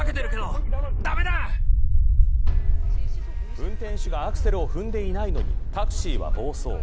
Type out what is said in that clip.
運転手がアクセルを踏んでいないのにタクシーは暴走。